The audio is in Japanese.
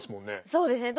そうですね。